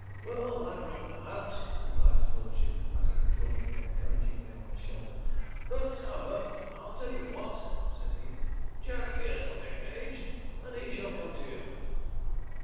'Well, I'm wrong, perhaps,' replied his lordship, patting Jawleyford encouragingly on the shoulder; 'but, however, I'll tell you what,' said he, 'Jack here's not engaged, and he shall come to you.'